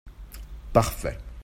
parfait.